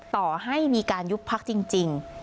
ต่อให้มีการยุบพักจริง